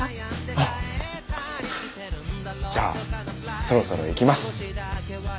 あっじゃあそろそろ行きます。